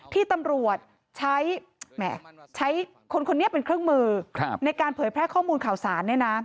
ที่ตำรวจใช้ใช้คนคนนี้เป็นเครื่องมือในการเผยแพร่ข้อมูลข่าวสาร